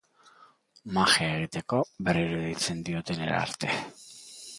Magia egiteko berriro deitzen diotenera arte.